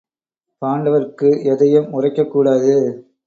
பாண்டவர்க்கு எதையும் உரைக்கக் கூடாது.